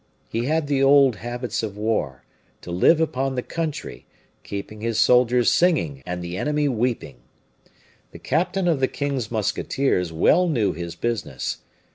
He had the old habits of war, to live upon the country, keeping his soldiers singing and the enemy weeping. The captain of the king's musketeers well knew his business.